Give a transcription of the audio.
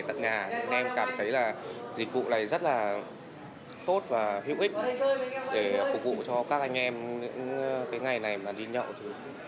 tận nhà anh em cảm thấy là dịch vụ này rất là tốt và hữu ích để phục vụ cho các anh em cái ngày này mà đi nhậu